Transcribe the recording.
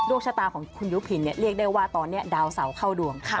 ชะตาของคุณยุพินเรียกได้ว่าตอนนี้ดาวเสาเข้าดวง